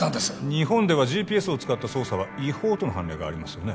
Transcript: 日本ではＧＰＳを使った捜査は違法との判例がありますよね